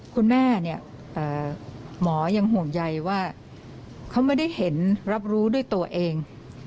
คุณแม่เนี่ยหมอยังห่วงใยว่าเขาไม่ได้เห็นรับรู้ด้วยตัวเอง